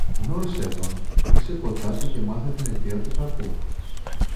γνώρισε τον, ζήσε κοντά του και μάθε την αιτία του κακού.